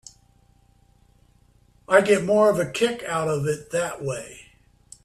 I get more of a kick out of it that way.